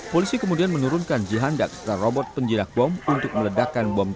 polisi kemudian menurunkan jihandak serang robot penjilak bom untuk meledakkan bom teroris